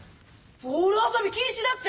「ボールあそび禁止」だって。